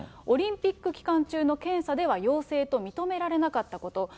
オリンピック期間中の検査では陽性と認められなかったこと。